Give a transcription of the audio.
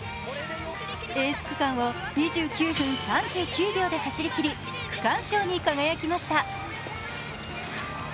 エース区間を２９分３９秒で走り切り、区間賞に輝きました。